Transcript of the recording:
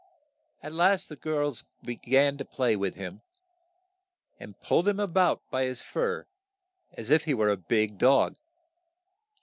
At last the girls be gan to play with him, and pulled him a bout by his fur as if he were a big dog.